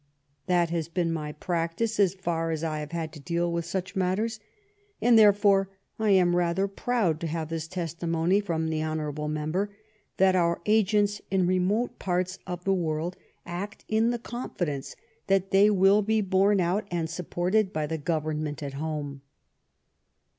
That has been my practice as far as I have had to deal with such matters ; and, therefore, I am rather proud to have this testimony from the hon. member that our agents in remote parts of the world act in the confidence that they will be borne out and supported by the Government at home.